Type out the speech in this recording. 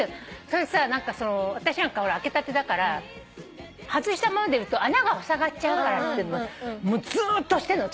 それでさ私なんかほら開けたてだから外したままでいると穴がふさがっちゃうからってずーっとしてるの。